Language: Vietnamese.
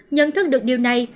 nhận thức được điều này